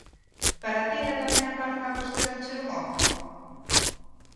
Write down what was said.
Para ti era tamén en parte unha cuestión de encher un oco?